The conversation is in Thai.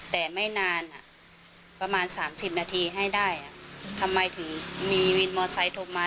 แต่ไม่นานประมาณ๓๐นาทีให้ได้ทำไมถึงมีวินมอไซค์โทรมา